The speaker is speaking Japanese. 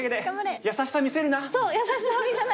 やさしさ見せるな！